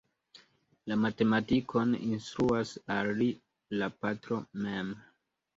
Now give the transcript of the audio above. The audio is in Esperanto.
La matematikon instruas al li la patro mem.